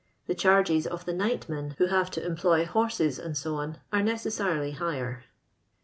The charges of the ni^'htmeii, who have to cmi>loy hones, &c., are necessarily higher.